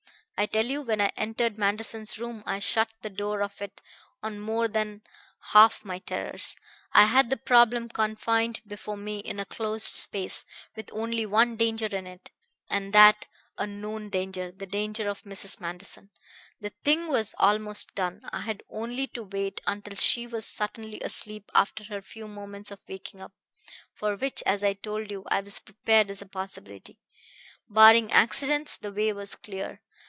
I tell you, when I entered Manderson's room I shut the door of it on more than half my terrors. I had the problem confined before me in a closed space, with only one danger in it, and that a known danger: the danger of Mrs. Manderson. The thing was almost done: I had only to wait until she was certainly asleep after her few moments of waking up, for which, as I told you, I was prepared as a possibility. Barring accidents, the way was clear.